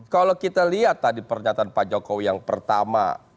kalau kita lihat tadi pernyataan pak jokowi yang pertama